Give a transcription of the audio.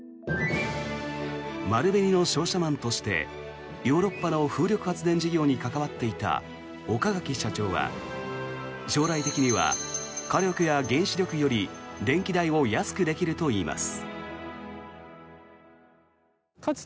丸紅の商社マンとしてヨーロッパの風力発電事業に関わっていた岡垣社長は将来的には火力や原子力より電気代を安くできるといいます。